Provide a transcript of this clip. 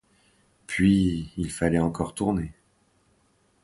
Puis, il fallait encore tourner.